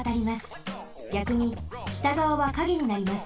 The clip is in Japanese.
ぎゃくに北がわはカゲになります。